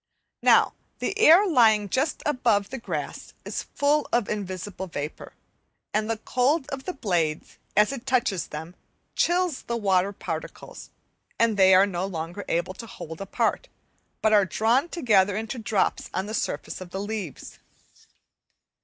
Now the air lying just above the grass is full of invisible vapour, and the cold of the blades, as it touches them, chills the water particles, and they are no longer able to hold apart, but are drawn together into drops on the surface of the leaves.